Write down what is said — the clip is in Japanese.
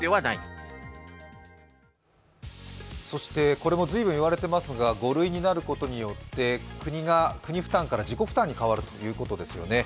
これも随分言われていますが、５類になることによって、国負担から自己負担に変わるということですよね。